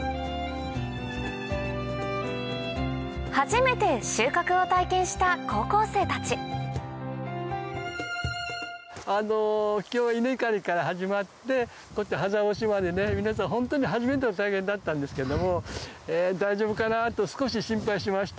初めて収穫を体験した高校生たち今日稲刈りから始まってこうやってはざ干しまで皆さんホントに初めての体験だったんですけども「大丈夫かな」と少し心配しました。